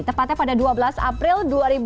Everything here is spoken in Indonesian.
tepatnya pada dua belas april dua ribu lima belas